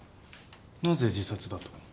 なぜ自殺だと？